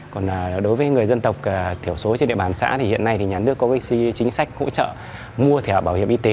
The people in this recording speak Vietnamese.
còn đối với người dân tộc thiểu số trên địa bàn xã thì hiện nay thì nhà nước có chính sách hỗ trợ mua thẻ bảo hiểm y tế